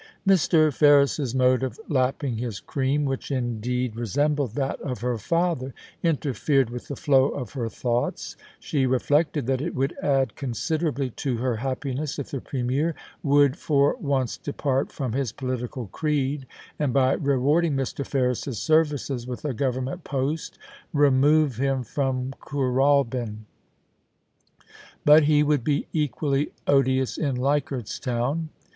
Mr. Ferris's mode of lapping his cream, which, indeed. THE FERRIS MANAGE. 93 resembled that of her father, interfered with the flow of her thoughts. She reflected that it would add consider ably to her happiness if the Premier would for once depart from his political creed, and by rewarding Mr. Ferris's services with a Government post, remove him from Koor albya But he would be equally odious in Leichardt's Town.